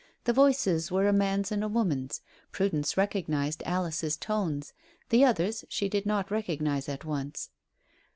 The voices were a man's and a woman's. Prudence recognized Alice's tones. The other's she did not recognize at once.